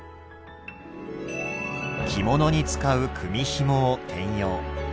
着物に使う組みひもを転用。